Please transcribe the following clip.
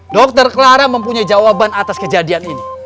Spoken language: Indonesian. dokter clara mempunyai jawaban atas kejadian ini